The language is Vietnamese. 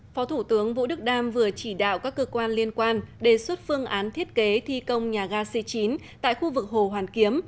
phó thủ tướng vũ đức đam vừa chỉ đạo các cơ quan liên quan đề xuất phương án thiết kế thi công nhà ga c chín tại khu vực hồ hoàn kiếm